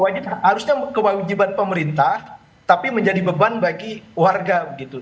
harusnya kewajiban pemerintah tapi menjadi beban bagi warga